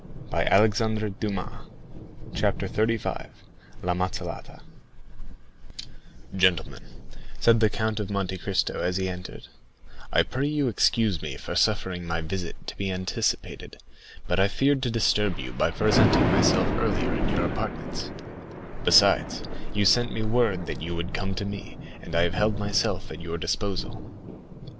20157m Chapter 35. La Mazzolata Gentlemen," said the Count of Monte Cristo as he entered, "I pray you excuse me for suffering my visit to be anticipated; but I feared to disturb you by presenting myself earlier at your apartments; besides, you sent me word that you would come to me, and I have held myself at your disposal."